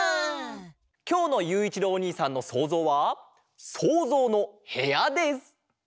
きょうのゆういちろうおにいさんのそうぞうは「そうぞうのへや」です！